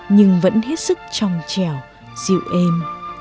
nhưng vẫn hết sức trong trèo dịu êm